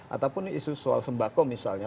ataupun isu soal sembako misalnya